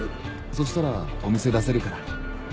そしたらお店出せるから。